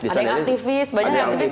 ada yang aktivis banyak yang aktivis